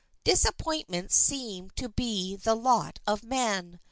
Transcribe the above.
Disappointments seem to be the lot of man.